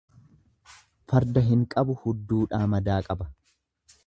Farda hin qabu hudduudhaa madaa qaba.